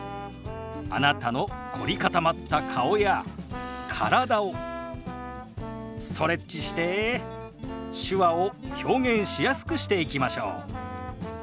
あなたの凝り固まった顔や体をストレッチして手話を表現しやすくしていきましょう。